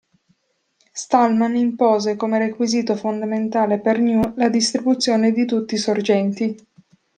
Stallman impose come requisito fondamentale per GNU la distribuzione di tutti i sorgenti.